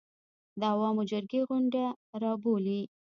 د عوامو جرګې غونډه راوبولي.